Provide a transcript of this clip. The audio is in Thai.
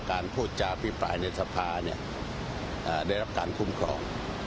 การพูดจาอภิปรายในสภาเนี่ยได้รับการคุ้มครอง